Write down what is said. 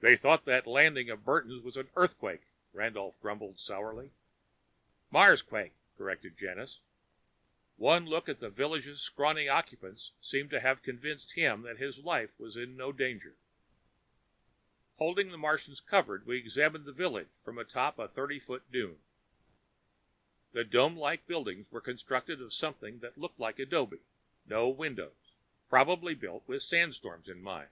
"They thought that landing of Burton's was an earthquake," Randolph grumbled sourly. "Marsquake," corrected Janus. One look at the village's scrawny occupants seemed to have convinced him that his life was in no danger. Holding the Martians covered, we examined the village from atop the thirty foot dune. The domelike buildings were constructed of something that looked like adobe. No windows probably built with sandstorms in mind.